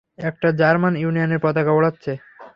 একটা জার্মান, ইউনিয়নের পতাকা উড়াচ্ছে!